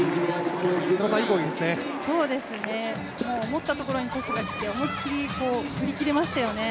思ったところにトスがきて思い切り振り切れましたよね。